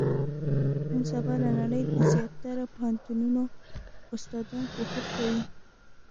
نن سبا، د نړۍ د زیاتره پوهنتونو استادان، کوښښ کوي.